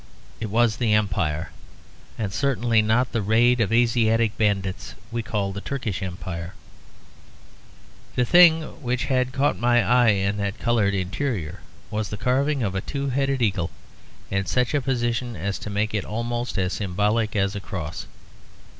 It was the Empire. And certainly not the raid of Asiatic bandits we call the Turkish Empire. The thing which had caught my eye in that coloured interior was the carving of a two headed eagle in such a position as to make it almost as symbolic as a cross.